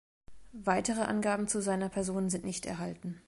Weitere Angaben zu seiner Person sind nicht erhalten.